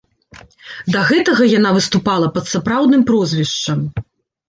Да гэтага яна выступала пад сапраўдным прозвішчам.